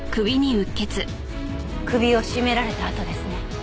首を絞められた痕ですね。